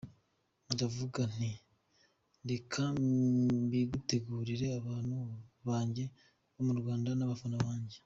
Ndavuga nti reka mbitegurire abantu bange bo mu Rwanda n’abafana bange".